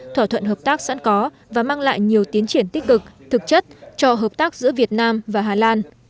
thỏa thuận hợp tác sẵn có và mang lại nhiều tiến triển tích cực thực chất cho hợp tác giữa việt nam và hà lan